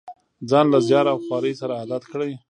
ځان له زیار او خوارۍ سره عادت کړي.